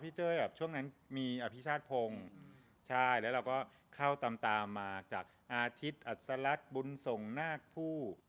พี่เจ้าช่วงนั้นมีอภิษฎพงศ์ใช่แล้วเราก็เข้าตามมาจากอาทิตย์อัศลัทธ์บุญสงฆ์นาภูมิ